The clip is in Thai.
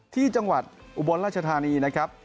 ที่จังหวัดอุบลราชธานีนะครับ